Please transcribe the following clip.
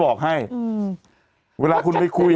สวัสดีครับคุณผู้ชม